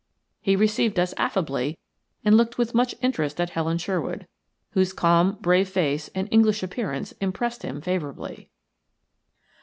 He received us affably and looked with much interest at Helen Sherwood, whose calm, brave face and English appearance impressed him favourably.